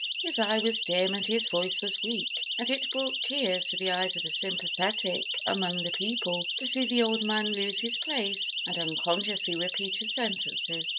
His eye was dim and his voice was weak, and it brought tears to the eyes of the sympathetic among the people to see the old man lose his place and unconsciously repeat his sentences.